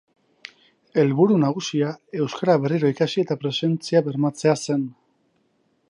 Helburu nagusia euskara berriro ikasi eta presentzia bermatzea zen.